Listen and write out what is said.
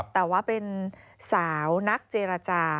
แต่ว่าเป็นสาวนักเจรจา